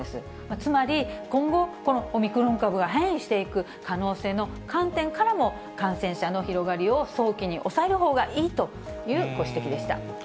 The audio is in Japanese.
つまり、今後、このオミクロン株が変異していく可能性の観点からも、感染者の広がりを早期に抑えるほうがいいというご指摘でした。